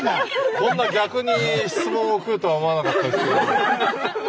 こんな逆に質問来るとは思わなかったですけど。